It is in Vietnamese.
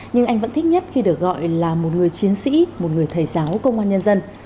nhưng anh vẫn thích nhất khi được gọi là một người chiến sĩ một người thầy giáo công an nhân dân